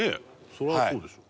そりゃそうでしょ。